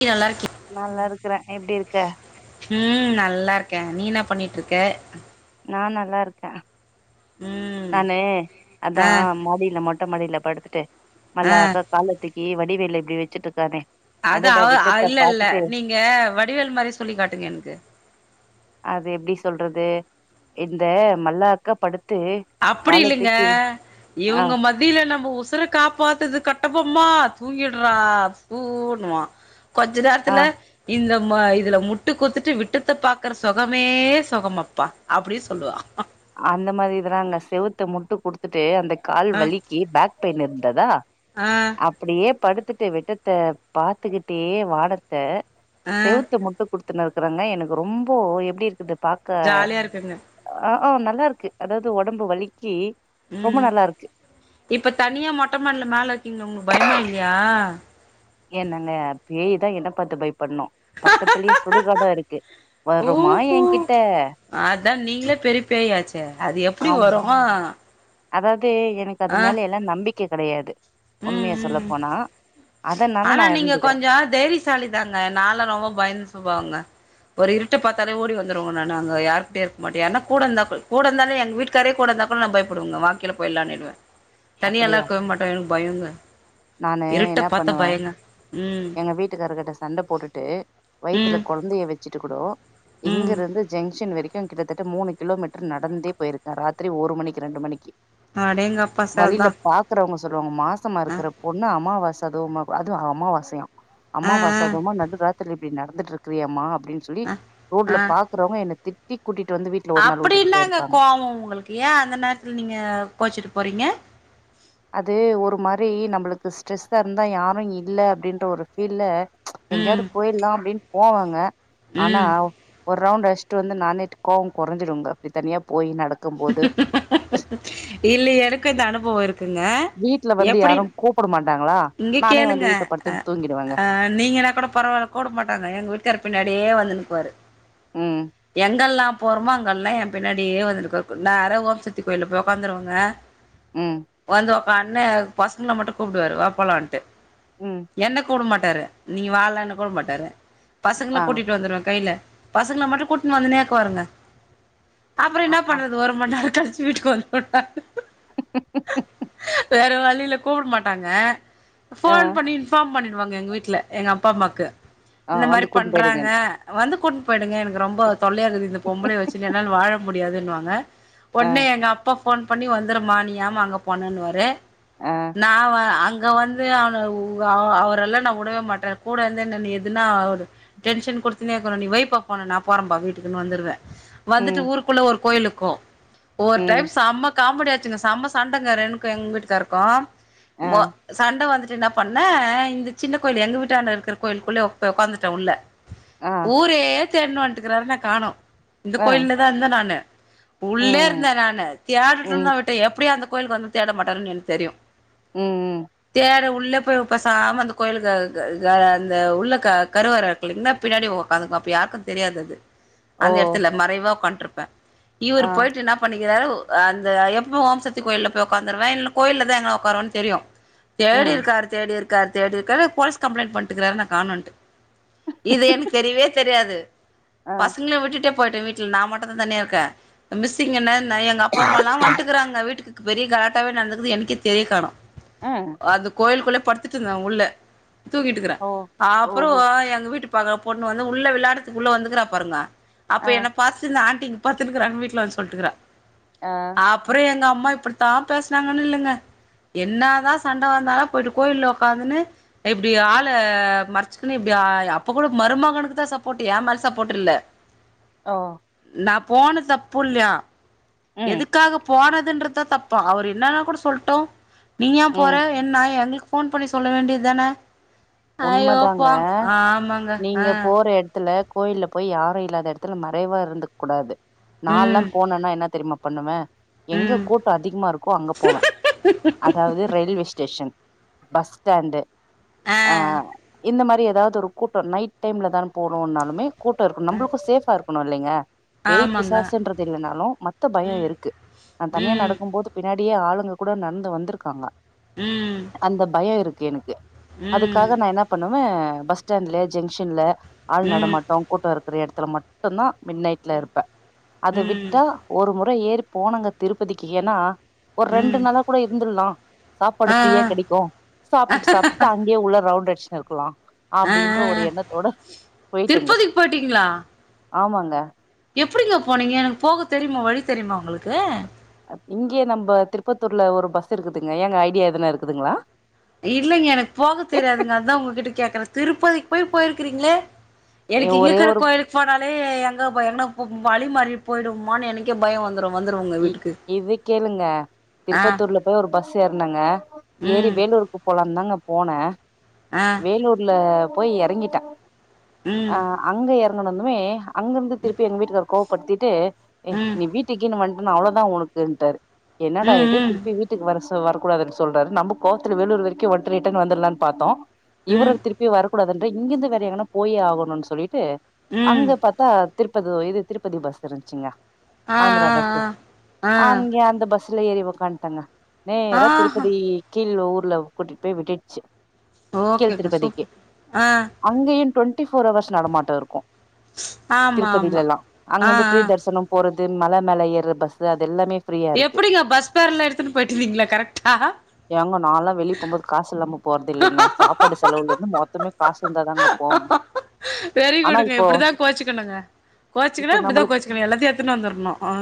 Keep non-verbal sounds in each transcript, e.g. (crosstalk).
(unintelligible) நல்லா இருக்கி நல்லா இருக்கற நீ எப்டி இருக்க ம் நல்லா இருக்கே நீ என்ன பண்ணிட்ருக்க நா நல்லா இருக்க ம் நானு அதா ஆ மாடியில மட் மொட்டமடியில படுத்துட்டு ஆ மல்லாக்க காலத்தூக்கி வடிவேலு இப்டி வச்சுட்டு இருக்கானே அது அடடா அவ விட்டத்த இல்ல இல்ல பாத்துட்டு நீங்க வடிவேலு மாரி சொல்லு காட்டுங்க எனக்கு அது எப்டி சொல்றது இந்த மல்லாக்க படுத்து அப்படி கால இல்லைங்க தூக்கி ஆ இவுங்க மத் தில நம்ப உசுர காப்பாத்துது கட்டப்பொம்மா தூங்கிடுறா புன்னுவா கொஞ்ச ஆ நேரத்துல இந்த ம இதுல முட்டு குத்துட்டு விட்டுத்த பாக்கற சுகமே சுகமப்பா அப்டி சொல்லுவா அந்த மாரி இதல்லா அங்க செவுத்த முட்டு குடுத்துட்டு அந்த கால் ஆ வலிக்கு பேக் பெயின் இருந்ததா ஆ அப்படியே படுத்துட்டு விட்டத்த பாத்துக்கிட்டே வானத்த ஆ செவுத்த முட் குடுத்துனு இருக்கறாங்க எனக்கு ரொம்ப எப்டி இருக்கது பாக்க ஜாலியா இருக்குங்க ஆ நல்லா இருக்கு அதாவது ஒடம்பு வலிக்கு ரொம்ப ம் நல்லா இருக்கு இப்ப தனியா மொட்டமாடியில மேல இருக்கீங்க உங்களுக்கு பயமா இல்லயா என்னங்க பேயு தா என்ன பாத்து பயப்பட்னு பக்கத்துலயே சுடுகாடா இருக்கு வருமா ஓஹோ என்கிட்ட அதா நீங்களே பெரிய பேயாச்சே அது எப்படி வரு அதாவுது எனக்கு அது ஆ மேல எல்லா நம்பிக்க கடையாது ம் உண்மைய சொல்ல ம் போனா அதனால நா இருந்துக்கிற ஆ தைரிஸ் சாலி தாங்க நாலா ரொம்ப பயந்த சுபாவுங்க ஒரு இருட்ட பாத்தாலே ஓடி வந்துருவங்க நானு அங்க யாரு கூடயு இருக்க மாட்ட யார்னா கூட இந்தா கூ கூட இருந்தாலே எங்க வீட்டு காரே கூட இருந்தா கூட நா பயப்புடுவங்க வா கீல போய்லான்னிடுவ தனியால்லா அப்படியா இருக்கவே மாட்ட எனக்கு பயங்க நானு இருட்ட என்ன பாத்தா பண்ணுவ பயங்க ம் எங்க வீட்டுக்கார்கிட்ட சண்ட போட்டு வயித்துல ம் கொ ழந்தைய வச்சுட்டு கூடு இங்க ம் இருந்து ஜங்ஷன் வரை க்கு கிட்டத்தட்ட மூணு கிலோமீட்டர் நடந்தே போயிருக்க ராத்திரி ஒரு மணிக்கு ரெண்டு மணிக்கி அடேங்கப் வழியில பாக்குறவுங்க சொல்லுவாங்க மாசமா அ இருக்குற பொண்ணு அம்மாவாச அதுவுமா அதுவு அம்மாவாசையா அ அம்மாவாச அதுவுமா நடு ராத்திரில இப்டி நடந்துட்ருக்கிறேயேமா அப்டின்னு சொல்லி அ ரோட்ல பாக் கறவுங்க என்ன திட்டி கூட்டிட்டு வந்து வீட் அப்படி என்னாங்க கோவோ உங்களுக்கு ஏ அந்த நேரத்துல நீங்க கோச்சிட்டு போறீங்க அது ஒரு மாரி நம்பளுக்கு ஸ்ட்ரெஸ்ஸா இருந்தா யாரு இல்ல அப்டின்ற ஒரு ஃபீல்ல எங்கயாவது ம் போயிடலாம அப்டின்னு போவாங்க ஆனா ம் ஒரு ரவுண்டு அஷ்ட்டு வந்து நானேட்டு கோவோ கொறஞ்சுடுங்க அப்டி தனியா போய் நட இல்ல எனக்கு இந்த அனுபவோ இருக்குங்க வீட்ல வந்து எப்படி யாரு கூப்பட மாட்டாங்களா இங்க நானே கேளுங்க வந்து வீட்ல அ படுத்து தூங்கிடுவேங்க ஆ நீங்கன்ன கூட பரவால்ல கூப்ட மாட்டாங்க எங்க வீட்டுக்கார் பின்னாடியே வந்துனுப்பாரு ம் எங்கெல்லா போறோமோ அங்கல்லா எ பின்னாடியே வந்துரு (unintelligible) நேற ஓம்சக்தி கோயில்ல போய் ஒக்காந்துருவாங்க ம் வந்து ஒகாந்த்னு பசங்கள மட்டு கூப்டுவாரு வா போலான்ட்டு ம் என்ன கூப்ட மாட்டாரு நீ வாலனு கூபட மாட்டாரு பசங்கள ஆ கூட்டிட்டு வந்துருவே கைல பசங்கள மட்டு கூட்டிட்டு வந்துனேக்கு வாருங்க அப்புற அ என்ன ஆ பண்றது ஒரு மணி நேர கழிச்சு வீட்டுக்கு வந்துட்டா வேற வழியில கூப்ட மாட்டாங்க ஆ ஃபோன் பண்ணி இன்ஃபார்ம் பண்ணிடுவாங்க எங்க வீட்ல எங்க அப்பா அம்மாக்கு ஆ இந்த வந்து மாரி கூட்னு பண்றாங்க போயிடுங்கன்னு வந்து கூட்டிட்டு போயிடுங்க எனக்கு ரொம்ப தொல்லையா இருக்குது இந்த பொம்பளய வச்சுன்னு என்னால வாழ முடியாதுன்னுவாங்க ஆ ஒடனே எங்க அப்பா போஃன் பண்ணி வந்துருமா நீ ஏமா அங்க போனன்னுவாரு ஆ நா அங்க அங்க வந்து அவன அவரெல்லா நா உடவே மாட்டே கூட வந்து என்னன்ன எதுனா டென்ஷன் குடுத்துன்னே (unintelligible) நீ வைப்பா போன நா போறம்பா வீட்டுன்னு வந்துருவே வந்துட்டு ம் ஊருக்குள்ள ஒரு கோயிலுக்கு ஒரு ம் டைம் சம காமெடி ஆச்சுங்க செம்ம சண்டைங்க எனக்கு எங்க வீட்டுக்காருக்கு ஆ சண்ட வந்துட்டு என்ன பண்ணே இந்த சின்ன கோயில் எங்க வீட்டான இருக்கர கோயிலுக்குள்ளே போய் ஒக்காந்துட உள்ள ஆ ஊரே தேடணுவன்ட்டுக்கிறாரு நா கானோ இந்த ஆ கோயில்லதா இருந்தே நானு உள்ளே ம் இருந்தே நானு தேடடேன்னு ம் தா விட்டே எப்டியு அந்த கோயிலுக்கு வந்து தேட மாட்டாருன்னு எனக்கு தெரியு ம் ம் தேட உள்ள போய் பசாம அந்த கோயிலுகு (unintelligible) அந்த உள்ள கருவற பின்னாடி உக்காந்துகுவ அப்ப யாருக்கு தெரியாது அது ஓ அந்த எடத்துல மறைவா ஒக்காண்டிருப்பே ஆ இவர்ரு போயிட்டு என்ன பண்ணிருக்கிறாரு அந்த எப்போ ஓம்சக்தி கோயில்ல போய் ஒக்காந்துருவே இல்ல கோயில தா எங்க உக்காருவன்னு தெரியு தேடி ம் இருக்காரு தேடிருக்காரு தேடிருக்காரு போலீஸ் கம்ப்ளைணட் பண்ட்டுக்கறாரு நா காணட்டு இது எனக்கு தெரியவே தெரியாது ஆ பசங்கள விட்டுட்டு போயிட்ட வீட்ல நா மட்டுந்தா தனியா இருக்க மிஸ்ங்ன எங்க அப்பா அம்மா ல்லா வன்ட்டுக்கிறாங்க வீட்டுக்கு பெரிய கலாட்டாவே நடந்துக்குது எனக்கே தெரிய கானோ ம் அந்த கோயிலுக்குள்ளயே படுத்துட்டு இருந்தே உள்ள தூக்கிட்டுக்கறே ஓ அப்புரோ ஓஹோ எங்க வீட்டு பாகோ பொண்ணு வந்து உள்ள வெளையாடத்துக்குள்ள வந்துக்கிறா பாருங்க ஆ அப்ப என்ன பாசு இந்த ஆண்டி இங்க பத்துருக்காங்க வீட்ல வந்து சொல்லிட்டுருக்கறா ஆ அப்புரோ எங்க அம்மா இப்டித்தா பேசனாங்கன்னு இல்லைங்க என்ன தா சண்ட வந்தாலு போயிட்டு கோயிலில ஒட்காந்துன்னு இப்டி ஆள மறைச்சுக்குணு இப்டி அப்ப கூட மருமகனுக்கு தா சப்போர்ட் எ மேல சப்போர்ட் இல்ல (unintelligible) ஓ நா போன தப்பு இல்லையா ம் எதுக்காக போனதுன்றதா தப்பா அவர் என்னா கூட சொல்ட்டூ நீ ஏ போற ம் என்ன எங்களுக்கு போன் பண்ணி சொல்ல வேண்டியது தான உண்மதாங்க அய்யோபா ஆமாங்க ஆ இத்துல கோயில்ல போய் யாரு இல்லாத எடத்துல மறைவா இருந்துக் கூடாது நான்ல்லா ம் போனான்னா என்ன தெரியுமா பண்ணுவே எங்க ம் கூட்டூ அதிகமா இருக்கோ அங்க போவே அதாவது ரயில்வே ஸ்டேஷன் பஸ் ஸ்டாண்ட்டு ஆ இந்த மாரி ஏதாவது ஒரு கூட்டம் நைட் டைம்ல தா போணும்ன்னாலுமே கூட்டோ இருகுணு நம்மளுக்கு சேஃபா இருக்கணு இல்லீங்க பேய் ஆமாங்க பிசாசுன்றது இல்லனாலு மத்த பயோ ம் இருக்கு நா தனியா ம் நடக்கும்போது பின்னாடியே ஆளுங்க கூட நட்ந்து வந்துருக்காங்க ம் அந்த பயோ இருக்கு எனக்கு ம் அதுக்காக நா என்னா பண்ணுவ பஸ் ஸ்டாண்ட்ல ஜெங்ஷன்ல ஆள் ம் நடமாட்டோ கூட்டோ இருக் குறு எடத்துல மட்டுந்தா மின் நைட்ல இருப்ப அத ம் விட்டா ஒரு முற ஏறு போனாங்க திருப்பதிக்கி ஏன்னா ஒர் ரெண்டு ம் நளா கூட இருந்துட்லா சாப்பாடு ஆ ஃப்ரீயா ஆ கெடிக்கு சாப்ட்டுட்டு சாப்பு இங்கே உள்ள ரவுண்ட் அடிஷ்னு இருக்குலா ஆ அப்டின்ற ஒரு ஆ எண்ணத்தோட பொய்டங்க திருப்பதிக்கு ஆமாங்க எப்புடிங்க போனீங்க எனக் போக தெரிமா வழி தெரிமா உங்களுக்கு இங்க்யே நம்ப திருப்பத்தூர்ல ஒரு பஸ் இருக்குதுங்க ஏங்க ஐடியா எதுன இருக்குதுங்ளா இல்லைங்க எனக்கு போக தெரியாதுங்க அதா உங்ககிட்ட கேக்குற திருப்பதிக் போய் போய்ருக்குறீங்ளே ஏ எனக்கு இங்க ஒரே இக்குற ஒரு கோயிலுக் போனாலே எங்கப எங்கனா பு பு வழி மாறி போய்டும்மான்னு எனக்கே பய வந்துரு இ இத கேளுங்க ஆ திருப்பத்தூர்ல போய் ஒரு பஸ் ஏற்னங்க ஏறி ம் வேலூருக்கு போலான்ந்தாங்க போன ஆ வேலூர்ல போய் எறங்கிட்ட அ ம் அங்க எறங்குனந்துமே அங்கர்ந்து திர்ப்பி எங்க வீட்டுக்கார் கோவப்பட்த்திட்டு ஏ ம் நீ வீட்டிக்கீன் வன் அவ்ளோதா ஒனக்குன்டார் என்னடா இது ம் ம் திர்ப்பி வீட்டுக் வரசு வர கூடாதுன் சொல்றாரு நம்மு கோவத்துல வேலூர் வெரிக்கு வந்ட்டு ரிட்டன் வந்துர்லான் பாத்தோ இவரு ம் திர்ப்பி வர கூடாதுன் இங்கிந்து வேற எங்கனா போயே ஆகணுன் சொல்லிட்டு ம் அங்க பாத் டா திருப்பது இது திருப்பதி பஸ் இருந்ச்சிங்க அ அ அ ஆங்யா அந்த பஸ்ல ஏறி ஒக்கான்ட்டங்க நேரா ஆஹா திருப்பதி கீழ் ஊர்ல கூட்டிட்டு போய் விட்டுட்ச்சு கீழ் ஓகேங்க திருப்பதிக்கி சூப்பர் ஆ அங்கயு டுவண்ட்டி ஃபோர் ஹவர்ஸ் நடமாட்ட இருக்கு ஆமா ஆமா திருப்பதிலலா ஆ அங்கர்ந்து ஆ ஃப்ரீ தர்சனோ போறது மல மேல ஏர்ற பஸ்ஸு அது எல்லாமே ஃப்ரீயா இருக்கு எப்டிங்க பஸ் பேர்ல எடுத்துனு போயிட்டுருந்தீங்ளா கரெக்டா ஏங்க நால்லா வெளிய் போம்போது காஸ் இல்லாம போற்தில்லிங்க சாப்பாடு செலவுலேந்து மொத்தமே காசு இந்தா தாங்க போவோ வெரி ஆனா குடுங்க இப்போ இப்புடிதா கோச்சுக்கணுங்க இப்ப கோச்சுக்குணா இப்டிதா நம்மளுக் கோச்சுக்கணு எல்லாத்யு எட்த் துனு வந்துர்ணு அ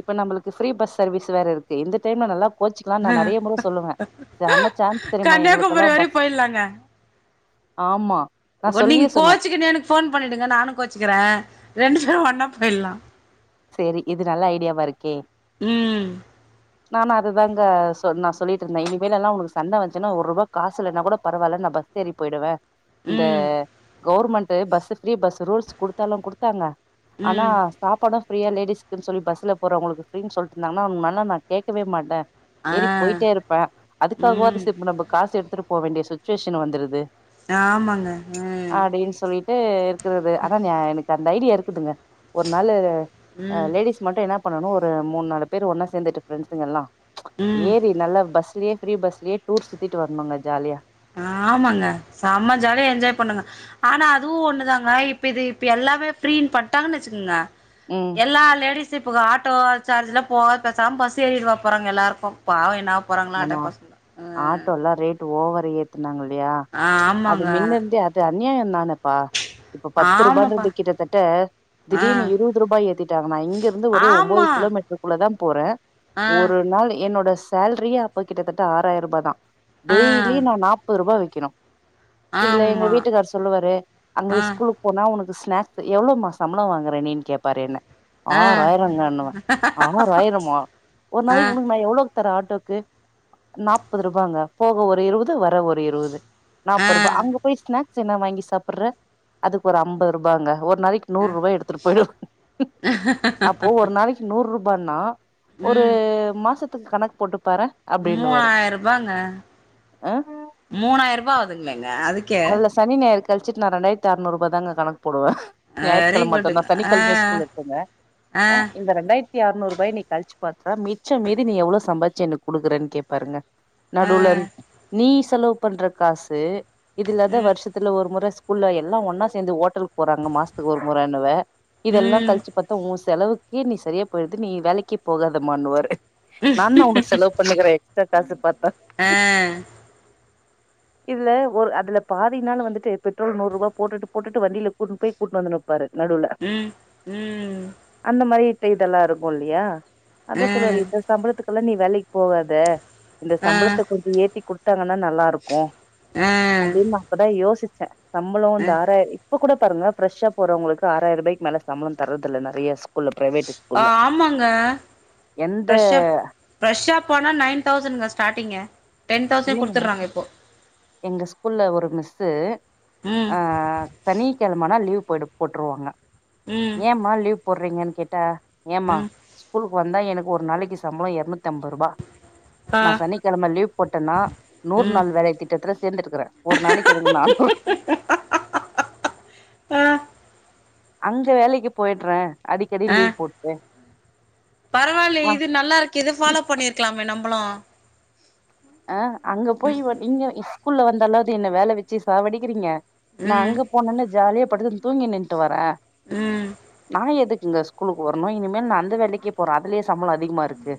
இப்ப நம்மளுக்கு ஃப்ரீ பஸ் சர்வீஸ் வேற இருக்கு இந்த டைம்ல நல்லா போச்சுக்ல்லா நா நறைய முற சொல்லுவ சம சான்ஸ் தெரியுமா எங்ளுக்கல்லா கன்னியாகுமரி வரையு பஸ் போயிடலாங்க ஆமா நா ஒன் நீங்க சொல்லியே சொன்னே கோச்சிக்குனு எனக்கு ஃபோன் பண்ணிடுங்க நானு கோச்சிக்குற ரெண்டு பேரு ஒன்னா போயிட்லா சேரி இது நல்ல ஐடியாவா இருக்கே ம் நானு அதுதாங்க சொ நா சொல்லிட்ருந்த இனிமேலல்லா உனுக்கு சண்ட வஞ்ச்சனா ஒருபா காசில்லனா கூட பரவால்ல நா பஸ் சேரி பொய்டுவ இந்த ம் government bus free bus rules குடுத்தாலு குடுத்தாங்க அனா ம் சாப்பாடு ஃப்ரீயா லேடிஸ்க்ன் சொல்லி பஸ்ல போறவுங்களுக்கு ஃப்ரீன் சொல்ட்ருந்தாங்னா உங் மேலனா கேக்கவே மாட்ட ஆ ஏறி பொய்ட்டே இருப்ப அதுக்காகவாது ம் சேப்பு நம்ப காசு எட்த்துரு போ வேண்டிய சுச்சுவேஷன் வந்துருது ஆமாங்க அடின்னு சொல்லிட்டு இர்க்குறது அதான் ய எனக் த அந் ஐடியா இருக்குதுங்க ஒர் நாளு அ ம் லேடிஸ் மட்டு என்னா பண்ணனு ஒரு மூன் நாலு பேர் ஒன்னா சேந்துட்டு ஃப்ரெண்ட்ஸுங் எல்லா ம் ம் ஏரி நல்லா பஸ்லயே ஃப்ரீ பஸ்லயே டூர் சுத்திட்டு வரனுங்க ஜாலியா ஆமாங்க செம ஜாலியா என்ஜாய் பண்ணுங்க ஆனா அதுவு ஒண்ணுதாங்க இப்ப இது இப்ப எல்லாமே ஃப்ரீனு பன்ட்டாங்க வச்சுக்கோங்க ம் எல்லா லேடிஸு இப்போ ஆட்டோ சார்ஜ்லா போகாத பேசாம பஸ் ஏறிடுட போறாங்க எல்லாருக்கு பாவ என்னா ஆக போறாங்களா ஆட்டோ பச ஆட்டோ ல்லா ரேட் ஓவர்ரா ஏத்துனாங்கல்லயா ஆ அது ஆமாங்க முன்ன இருந்தே அது அநியாய தான ப்பா இப்ப பத்து ஆமாப்பா ரூபான்றது கிட்டத்தட்ட ஆ திடீர்னு இருபது ரூபாய் ஏத்திட்டாங்கன்னா இங்க இருந்து ஒரே ஒன்பது ஆமா கிலோ மீட் க்குள்ள தா போற ஆ ஒரு நாள் என்னோட சேல்ரியே அப்ப கிட்டத்தட்ட ஆறாயிரூபா தா ஆ டெய்லி நா நாற்பரூபா வைக்கணு இதுல எங்க ஆமா வீட்டுக்கார் சொல்லுவாரு அங்க ஆ ஸ்கூலுக்கு போனா உனக்கு ஸ்னாக்ஸ் எவ்ளோ மா சம்பள வாங்கற நீன்னு கேப்பாரு என்ன ஆ ஆறாய்ரங்கனுவ ஆறாயிரமா ஒரு ஆ நாளைக்கு உனக்கு நா எவ்ளக்கு தர ஆட்டோக் இது நாப்பது ரூபாங்க போக ஒரு இருவது வர ஒரு இருவது ஆ நாப்பது ரூபா அங்க போயி ஸ்னாக்ஸ் என்னா வாங்கி சாப்டுற அதுக்கு ஒரு ஐம்பது ரூபாங்க ஒரு நாளக்கு நூறு ரூபாய் எடுத்துட்டு போய்டுவ அப்போ ஒரு நாளைக்கி நூறு ரூபானா ஒரு ம் மாசத்துக்கு கணக்கு போட்டு பாற மூயிர ரூபாங்க ஆ மூணாயிருபா ஆகுதுங்களங்க அதுக் அதுல சனி ஞாயர கழிச்ட்டு நா ரெண்டாயிரத்துறுநூறுபா தாங்க கணக்கு போடுவ வெரி ஞாயிற்றுக்கிழ மட்டுதா குட்டுங்க ஆ சனிக்கிழம ஸ்கூல் இருக்குங்க ஆ அ இந்த ரெண்டாயிரத் தி அறுநூறுபாய் நீ கழிச்சு பாத்தா மிச்ச மீதி நீ எவ்ள சம்பாச்சு எனக்கு கொடுக்குறன்னு கேப்பாருங்க ஆ நடுலன் நீ செலவு பண்ற காசு இதுலதா ம் வருஷத்து த்துல ஒரு முற ஸ்கூல்ல எல்லா ஒன்னா சேந்து ஓட்டலுக்கு போறாங்க மாசத்துக்கு ஒரு முறனுவ இதெல்லா ம் கழிச்சு பத்தா ஒ செலவுக்கே நீ சரியா போயிடுது நீ வேலைக்கு போகாதமான்னுவாரு நாதா உனக்கு செலவு ப பண்ணுகிற எக்ஸ்ட்ரா காசு பாத்தா ஆ இது இல்ல ஒரு அதுல பாதி நாளு வந்துட்டு பெட்ரோல் நூறு ரூபா போட்டுட்டு போட்டு வண்டில கூட்டுனு போயி கூட்டிட்டு வந்துட்டுப்பாரு நடுவுல ம் ம் அந்த மாரி பைட்ல்லா இருக்கு இல்லயா அதா ஆ சொல்வாரு இத சம்பளத்துக்கெல்லா நீ வேலக்கு போகாத இந்த ஆ சம்பளத்த கொஞ்ச ஏத்தி குடுத்தாங்கனா நல்லாருக்கு ஆ அப்டின்னு நா கூட யோசிச்ச சம்பளொ அ இந்த ஆறாய் இப்ப கூட பாருங்க ஃப்ரெஷ்ஷ போறவங்களுக்கு ஆறாய்ர்வாக்கு மேல சம்பள தர்றதுல்ல நெறைய ஸ்கூல்ல பிரைவேட்டு ஸ்கூல்ல ஆமாங்க எந்த ஃப்ரஷ்ஷ போனா நைன் தௌசன்ங்க ஸ்டாடிங்கு டென் தௌசண்ட் இல்லைங்க குத்துடுறாங்க இப்போ எங்க ஸ்கூல்ல ஒரு மிஸ்ஸு ம் சனி கெழமனா லீவ் போய்டு போட்டுர்வாங்க ம் ஏமா லீவ் போடுறீங்கன்னு கேட்டா ஏமா ஏமா ம் ஸ்கூலுக்கு வந்தா எனக்கு ஒரு நாளையக்கு சம்பள எரநூத்திம்பது ரூபா ஆ நா சனிக்கெழம லீவ் போட்டனா நூறு ம் நாள் வேலை திட்டத்துல சேர்ந்திருக்கிற ஒரு நாளைக்கி எனக்கு நானூறு ஆ அந்த வேலைக்கு போயடுற அடிக்கடி லீவ் போட்டு பரவால்லயே ஆ இது நல்லா இருக்கு இது ஃபாலோ பண்ணிர்க்கலாமே நம்பமளு ஆ அங்க போய் நீங்க ஸ்கூல்ல வந்தாலாவது என்ன வேல வச்சு சாவடிக்கிறீங்க நா ம் அங்க போனன்னா ஜாலியா படுத்துன்னு தூங்கி நின்ட்டு வர ம் நா எதுக்குங்க ஸ்கூ கூலூக்கு வரணு இனிமேலு அந்த வேலக்கே போற அதுலயே சம்பளோ அதிகமாருக்கு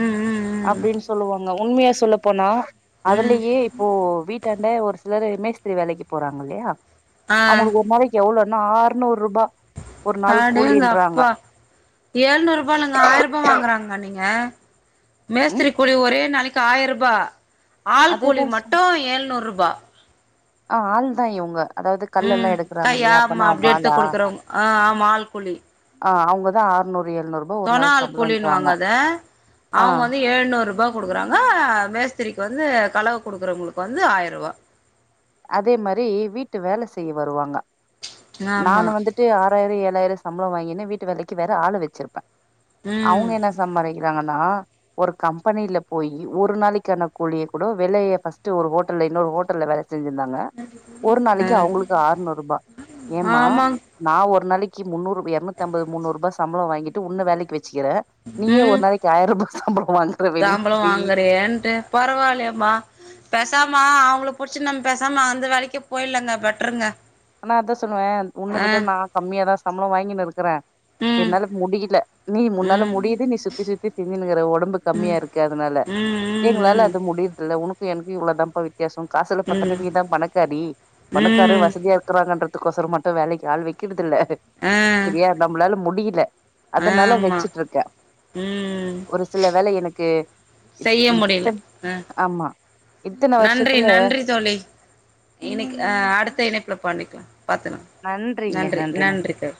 ம் ம் ம் அப்டின்னு சொல்லுவாங்க உண்மையா சொல்ல போனா ம் அதுலயே இப்போ வீட்டாண்ட ஒரு சிலரு மேஸ்திரி வேலைக்கு போறாங்க இல்லயா ஆ அவுங்களுக்கு ஒரு நாளைக்கு எவ்ளோனா ஆறுநூறு ரூபா ஒரு நாள் கூலின்றாங்க அடேங்கப்பா எழுநூறு ரூபாயில்லங்க ஆயிரரூபா வாங்குறாங்க நீங்க ம் மேஸ்திரி கூலி ஒரே நாளைக்கு ஆயிர ரூபா ஆள் கூலி அதுதா மட்டு ஏழ்நூறு ரூபா ஆ ஆள் தா இவுங்க அதாவது கல்லெல்லா ம் எடுக்கறாங்க கையா இல்லயா ஆமா அப்பனா அப்டி அவுங்க எடுத்து ஆளா குடுக்குறவங்க ஆ ஆமா ஆள் கூலி ஆ அவுங்க தா அறுநூறு எழ்நூறு தொனா ஆள் கூலின்னுவாங்க அத ஆ அவுங்க வந்து ஏழ்நூறு ரூபா குடுக்குறாங்க மேஸ்திரிக்கு வந்து கலவ குடுக்குறவங்களுக்கு வந்து ஆயிர ரூவா அதே மாரி வீட்டு வேல செய்ய வருவாங்க ஆமா நானு வந்துட் ட்டு ஆறாயிரோ ஏழாயிரோ சம்பளோ வாங்கினு வீட்டு வேலைக்கு வேற ஆளு வச்சிருப்பே ம் அவுங்க என்ன சம்பாரிக் கிறாங்கனா ஒரு கம்பெனில போயி ஒரு நாளைக்கான கூலிய கூட வெலைய ஃபர்ஸ்டு ஒரு ஹோட்டல்ல இன்னொரு ஹோட்டல்ல வெல செஞ்சிருந்தாங்க ஒரு நாளைக்கு அவுங்களுக்கு ஆறுநூறு ரூபா ஏமா ஆமாங் நா ஒரு நாளைக்கு முன்னூறு எரநூத்தி அம்பது முன்னூறுபா சம்பளோ வாங்கிட்டு உன்ன வேலைக்கு வச் சிக்கிறே நீயே ஒரு நாளைக்கு ஆயிரரூபா சம்பளோ வாங் தாம்பளோ வாங்குறியேன்ட்டு பரவாயில்லயேமா பேசாமா அவுங்கள புடிச்சு நம்ம பெசாமா அந்த வேலக்கே போயிட்லாங்க பெட்ருங்க ஆனா அதா சொல்லுவ உன்ன விட நா கம்மியாதா சம்பளோ வாங்கினு இருக்குறே ம் என்னால முடியில நீ முன்னால ம் முடியுது நீ சுத்தி சுத்தி தின்னுனுங்குற ஒ டம்பு ம் கம்மியாருக்கு அதனால ம் எங்ளால ம் அது முடியர்துல்ல உனக்கு எனக்கு இவ்ளோதாம்பா வித் தியாசோ காசுல பாத்தனா ம் நீ தா பணக்காரி பணக்காரரு ம் ம் வசதியா இருக்கறாங்கன்றது கோசோ மட்டு வேலைக்கு ஆள் வைக்கறதில்ல அ செரியா நம்மளால முடியில அதனால ஆமா வெச்சுட்ருக்க ம் ஒரு சில வேல எனக்கு இ செய்ய முடியல இத்தன் ஆ ஆமா இத்தன வருஷத்துல இனைக்கு அடுத்த இணைப்புல பண்ணிக்கலா பாத்துக்லா நன்றிங்க நன்றி நன்றிங்க நன்றி தோழி